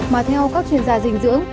mà theo các chuyên gia dinh dưỡng